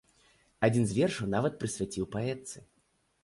Адзін з вершаў нават прысвяціў паэтцы.